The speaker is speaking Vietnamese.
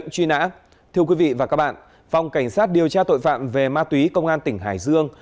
thưa quý vị và các bạn phòng cảnh sát điều tra tội phạm về ma túy công an tỉnh hải dương